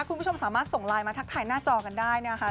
คุณผู้ชมสามารถส่งไลน์มาทักทายหน้าจอกันได้นะคะ